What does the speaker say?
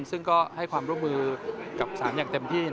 ซึ่งก็ให้ความร่วมมือกับศาลอย่างเต็มที่